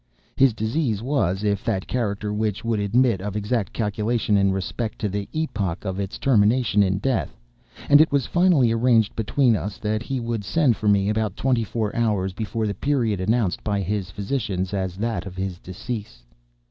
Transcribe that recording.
His disease was of that character which would admit of exact calculation in respect to the epoch of its termination in death; and it was finally arranged between us that he would send for me about twenty four hours before the period announced by his physicians as that of his decease.